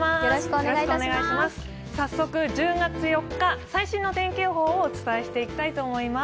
１０月４日、最新の天気予報をお伝えしていきます。